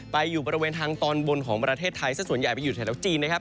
อยู่บริเวณทางตอนบนของประเทศไทยซึ่งส่วนใหญ่ไปอยู่แถวจีนนะครับ